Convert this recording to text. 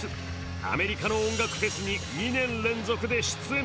アメリカの音楽フェスに２年連続で出演！